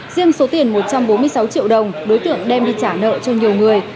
riêng số tiền một trăm bốn mươi sáu triệu đồng đối tượng đem đi trả nợ cho nhiều người